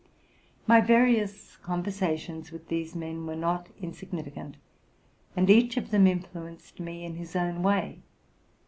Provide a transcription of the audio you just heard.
My various conversations with these men were not in significant, and each of them influenced me in his own way.